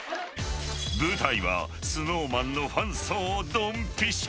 ［舞台はＳｎｏｗＭａｎのファン層をどんぴしゃ］